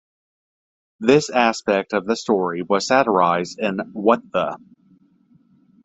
This aspect of the story was satirized in What The--?!